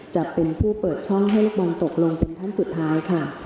จะเป็นผู้เปิดช่องให้ลูกบอลตกลงเป็นท่านสุดท้ายค่ะ